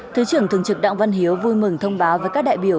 thứ trưởng thường trực đặng văn hiếu vui mừng thông báo với các đại biểu